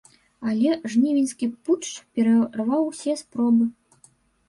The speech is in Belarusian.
Але жнівеньскі путч перарваў усе спробы.